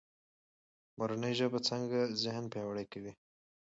مورنۍ ژبه څنګه ذهن پیاوړی کوي؟